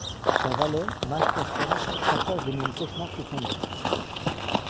Son valet, Mash Qassem, partage les mêmes cauchemars que son maître.